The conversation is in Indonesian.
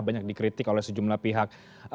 banyak dikritik oleh sejumlah pihak